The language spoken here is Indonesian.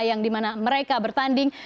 yang di mana mereka bertanding